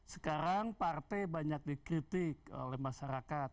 sekarang partai banyak dikritik oleh masyarakat